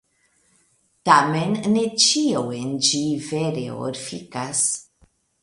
Tamen ne ĉio en ĝi vere orfikas.